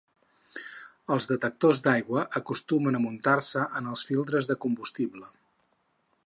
Els detectors d’aigua acostumen a muntar-se en els filtres de combustible.